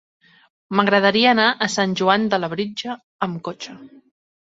M'agradaria anar a Sant Joan de Labritja amb cotxe.